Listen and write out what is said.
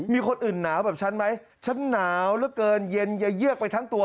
มีคนอื่นหนาวแบบชั้นไหมชั้นหนาวระเกินเย็นยาเยือกไว้ทั้งตัว